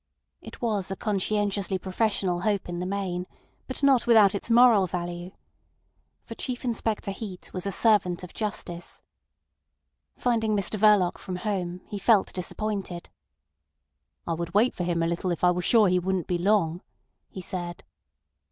It was a conscientiously professional hope in the main, but not without its moral value. For Chief Inspector Heat was a servant of justice. Finding Mr Verloc from home, he felt disappointed. "I would wait for him a little if I were sure he wouldn't be long," he said.